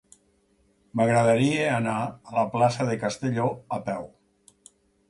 M'agradaria anar a la plaça de Castelló a peu.